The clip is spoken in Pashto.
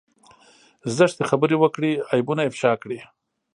زشتې خبرې وکړي عيبونه افشا کړي.